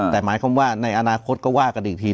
แต่หมายความว่าในอนาคตก็ว่ากันอีกที